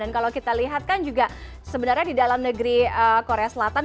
dan kalau kita lihat kan juga sebenarnya di dalam negeri korea selatan